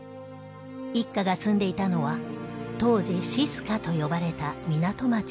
一家が住んでいたのは当時敷香と呼ばれた港町です。